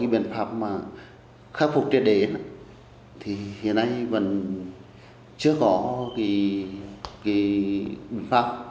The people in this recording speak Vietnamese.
huyện đắc lao huyện đắc minh tỉnh đắc nông